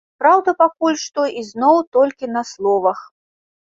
Праўда, пакуль што ізноў толькі на словах.